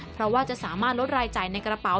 เพราะว่าจะสามารถลดรายจ่ายในกระเป๋า